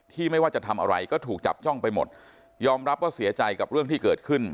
ไม่ว่าจะทำอะไรก็ถูกจับจ้องไปหมดยอมรับว่าเสียใจกับเรื่องที่เกิดขึ้น